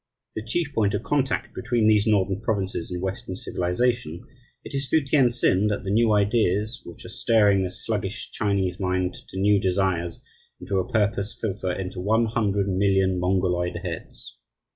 The chief point of contact between these Northern Provinces and Western civilization, it is through Tientsin that the new ideas which are stirring the sluggish Chinese mind to new desires and to a new purpose filter into one hundred million Mongoloid heads.